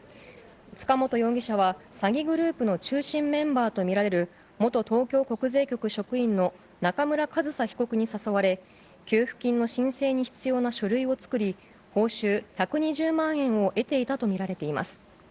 塚本容疑者は、詐欺グループの中心メンバーと見られる元東京国税局職員の中村上総被告に誘われ、給付金の申請に必要な書類を作り、報酬１２０万円を得ていたと見られています。